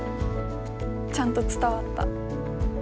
ちゃんと伝わった。